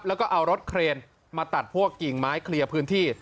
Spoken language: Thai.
แล้วก็เอารถเครนมาตัดพวกกิ่งไม้เคลียร์พื้นที่